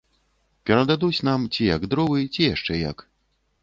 Перададуць нам ці як дровы, ці яшчэ як.